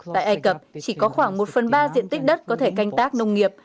tại ai cập chỉ có khoảng một phần ba diện tích đất có thể canh tác nông nghiệp